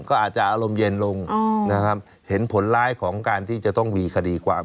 ก็อาจจะอารมณ์เย็นลงนะครับเห็นผลร้ายของการที่จะต้องมีคดีความ